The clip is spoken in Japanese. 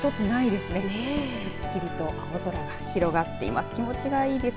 すっきりと青空が広がっています。